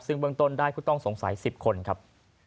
ซึ่งเบื้องต้นได้ผู้ต้องสงสัย๑๐คนครับ